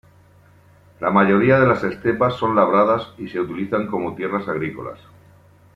La mayoría de las estepas son labradas y se utilizan como tierras agrícolas.